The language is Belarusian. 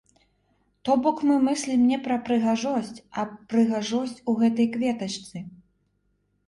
То бок мы мыслім не пра прыгажосць, а прыгажосць у гэтай кветачцы.